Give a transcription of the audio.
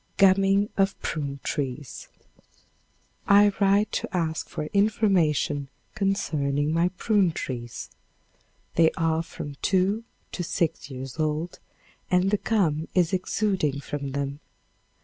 Gumming of Prune Trees. I write to ask for information concerning my prune trees. They are from two to six years old and the gum is exuding from them.